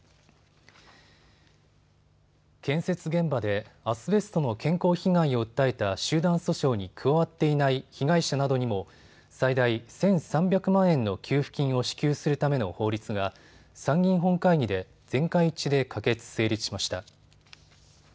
建設現場でアスベストの健康被害を訴えた集団訴訟に加わっていない被害者などにも最大１３００万円の給付金を支給するための法律が参議院本会議で全会一致で可決・成立しました。